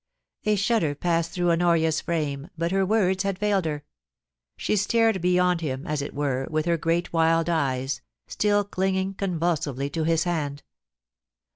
A shudder passed through Honoria's frame, but her words had failed her. She stared beyond him, as it were, with her great wild eyes, still clinging convulsively to his hand.